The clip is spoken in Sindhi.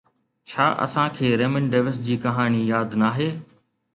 ڇا اسان کي ريمنڊ ڊيوس جي ڪهاڻي ياد ناهي؟